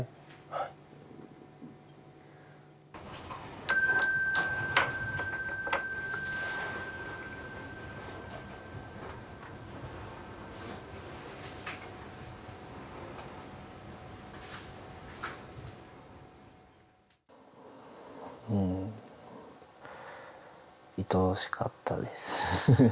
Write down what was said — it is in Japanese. はいうんいとおしかったです